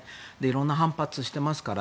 色んな反発をしていますから。